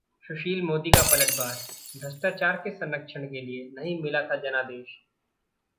सुशील मोदी का पलटवार, भ्रष्टाचार के संरक्षण के लिए नहीं मिला था जनादेश